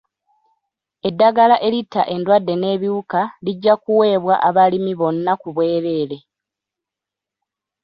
Eddagala eritta endwadde n'ebiwuka lijja kuweebwa abalimi bonna ku bwereere.